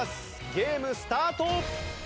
ゲームスタート！